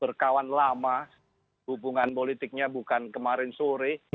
berkawan lama hubungan politiknya bukan kemarin sore